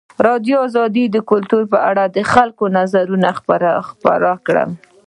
ازادي راډیو د کلتور په اړه د خلکو نظرونه خپاره کړي.